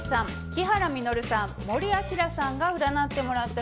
木原実さん森朗さんが占ってもらったそうです。